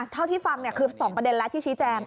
ที่ฟัง๒ประเด็นแล้วที่ชี้แจง